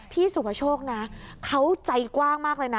พี่สุภาโชคนะเขาใจกว้างมากเลยนะ